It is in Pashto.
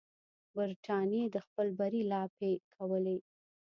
برټانیې د خپل بری لاپې کولې.